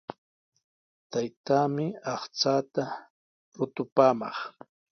Taytaami aqchaata rutupaamaq.